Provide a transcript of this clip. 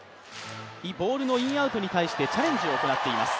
ボールのインアウトに対してチャレンジを行っています。